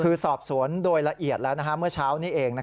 คือสอบสวนโดยละเอียดแล้วเมื่อเช้านี้เอง